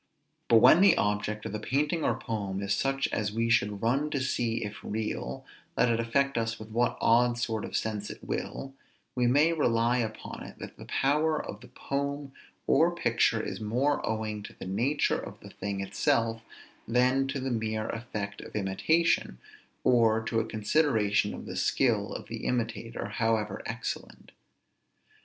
But when the object of the painting or poem is such as we should run to see if real, let it affect us with what odd sort of sense it will, we may rely upon it that the power of the poem or picture is more owing to the nature of the thing itself than to the mere effect of imitation, or to a consideration of the skill of the imitator, however excellent.